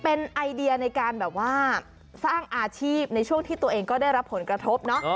เป็นไอเดียในการแบบว่าสร้างอาชีพในช่วงที่ตัวเองก็ได้รับผลกระทบเนอะ